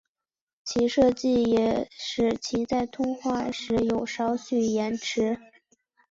其设计也使其在通话时有少许延迟。